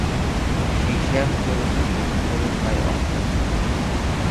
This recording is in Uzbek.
Shisha ko‘rinib-ko‘rinmay oqdi.